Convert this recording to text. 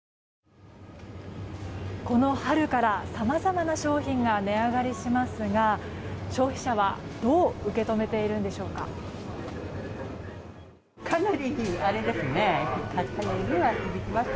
この春からさまざまな商品が値上がりしますが消費者は、どう受け止めているんでしょうか。